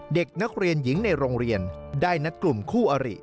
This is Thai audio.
เด็กนักเรียนหญิงในโรงเรียนได้นัดกลุ่มคู่อริ